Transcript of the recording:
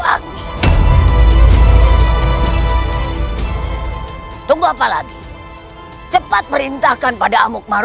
aku sudah tidak sabar